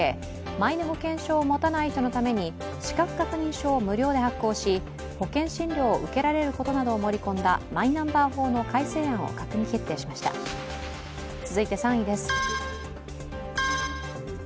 マイナ保険証を持たない人のために資格確認書を無料で発行し、保険診療を受けられることなどを盛り込んだ、マイナンバー法の改正案を閣議決定したことを発表しました。